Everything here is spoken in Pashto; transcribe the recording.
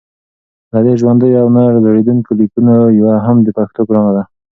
له دې ژوندیو او نه زړېدونکو لیکونو یوه هم د پښتو ګرانه ده